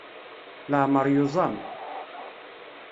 Leɛmer yuẓam.